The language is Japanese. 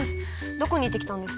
どこに行ってきたんですか？